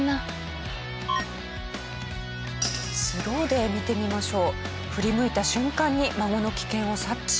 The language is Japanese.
スローで見てみましょう。